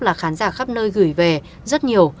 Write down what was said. là khán giả khắp nơi gửi về rất nhiều